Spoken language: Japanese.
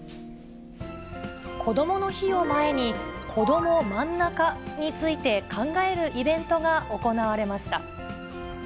こどもの日を前に、こどもまんなかについて考えるイベントが行われました。